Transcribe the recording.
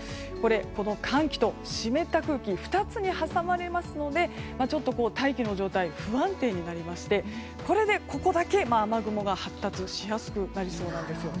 この寒気と湿った空気２つに挟まれますのでちょっと大気の状態が不安定になりましてこれで、ここだけ雨雲が発達しやすくなりそうなんです。